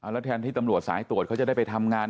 แล้วแทนที่ตำรวจสายตรวจเขาจะได้ไปทำงาน